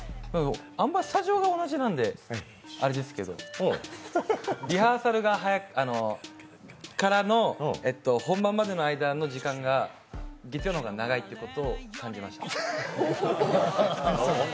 スタジオが同じなんであれなんですけど、リハーサルからの本番までの間の時間が月曜の方が長いっていうことを感じました。